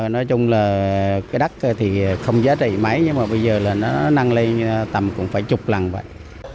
nói chung là cái đất thì không giá trị máy nhưng mà bây giờ là nó năng lên tầm cũng phải chục lần vậy